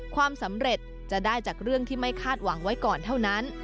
ความสำเร็จจะได้จากเรื่องที่ไม่คาดหวังไว้ก่อนเท่านั้น